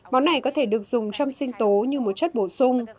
món này có thể được dùng trong sinh tố như một chất bổ sung